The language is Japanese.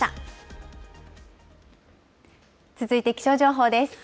続いて気象情報です。